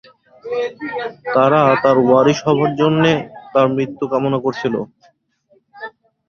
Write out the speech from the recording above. তারা তার ওয়ারিশ হবার জন্যে তার মৃত্যু কামনা করছিল।